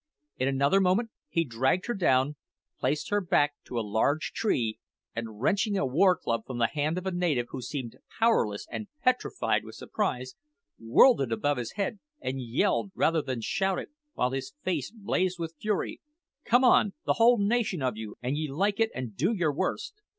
In another moment he dragged her down, placed her back to a large tree, and wrenching a war club from the hand of a native who seemed powerless and petrified with surprise, whirled it above his head, and yelled, rather than shouted, while his face blazed with fury, "Come on, the whole nation of you, an ye like it, and do your worst!"